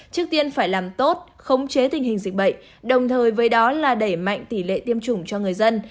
trước tiên phải làm tốt khống chế tình hình dịch bệnh đồng thời với đó là đẩy mạnh tỷ lệ tiêm chủng cho người dân